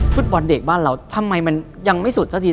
ฟุตบอลเด็กบ้านเราทำไมมันยังไม่สุดสักที